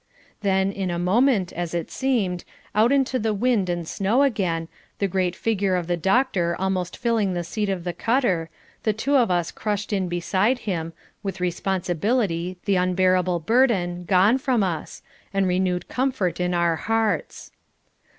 Then, in a moment, as it seemed, out into the wind and snow again, the great figure of the doctor almost filling the seat of the cutter, the two of us crushed in beside him, with responsibility, the unbearable burden, gone from us, and renewed comfort in our hearts.